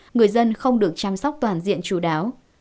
người dân không được chăm sóc toàn diện chú đáo